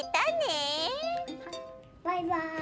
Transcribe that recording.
バイバイ！